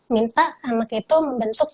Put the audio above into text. minta anak itu membentuk